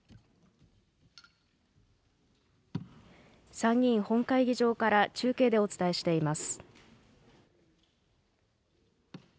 参議院本会議場から中継でお伝えしています。